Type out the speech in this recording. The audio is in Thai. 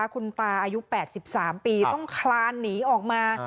คุณตาอายุแปดสิบสามปีต้องคลานหนีออกมา